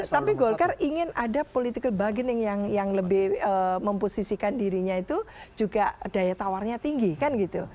tapi golkar ingin ada political bargaining yang lebih memposisikan dirinya itu juga daya tawarnya tinggi kan gitu